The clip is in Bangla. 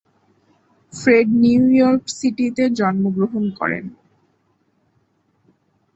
ফ্রেড নিউ ইয়র্ক সিটিতে জন্মগ্রহণ করেন।